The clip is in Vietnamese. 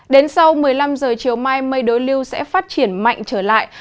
đến sau một mươi năm h chiều mai mây đối lưu sẽ phát triển mạnh trở lại